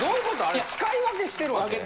あれ使い分けしてるわけ？